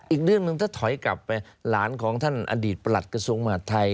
อีกเรื่องหนึ่งถ้าถอยกลับไปหลานของท่านอดีตประหลัดกระทรวงมหาดไทย